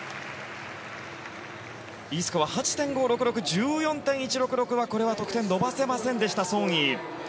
Ｄスコアが８．５６６１４．１６６は得点伸ばせませんでした、ソン・イ。